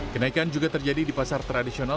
kenaikan juga terjadi di pasar tradisional